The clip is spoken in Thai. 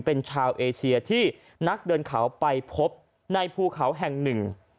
เป็นชาวเอเชียที่นักเดินเขาไปพบในภูเขาแห่งหนึ่ง